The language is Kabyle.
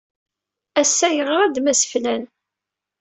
Ass-a, yeɣra-d Mass Flan.